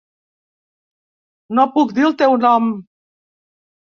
No puc dir el teu nom.